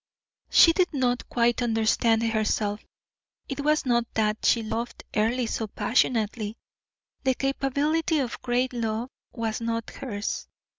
She did not quite understand herself. It was not that she loved Earle so passionately; the capability of great love was not hers.